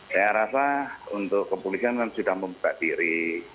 saya rasa untuk kepolisian kan sudah membuka diri